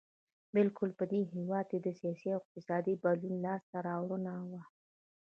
بلکې په دې هېواد کې د سیاسي او اقتصادي بدلون لاسته راوړنه وه.